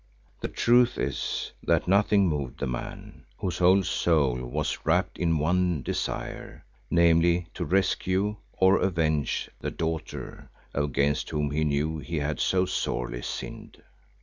The truth is that nothing moved the man, whose whole soul was wrapped in one desire, namely to rescue, or avenge, the daughter against whom he knew he had so sorely sinned.